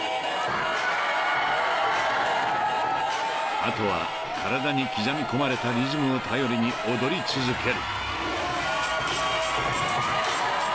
［あとは体に刻み込まれたリズムを頼りに踊り続ける］